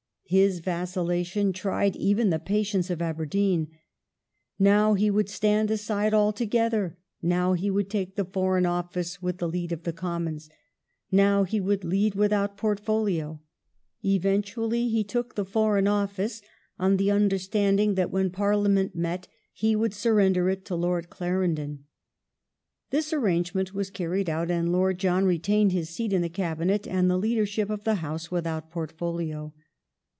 His vacillation tried even the patience of Aberdeen. Now he would stand aside altogether; now he would take the Foreign Office with the lead of the Commons ;^ now he would lead without portfolio. Eventually he took the Foreign Office on the undei standing that when Parliament met he would surrender it to Lord Clarendon. This arrangement was carried out, and Lord John retained his seat in the Cabinet and the leadership of the House, without portfolio.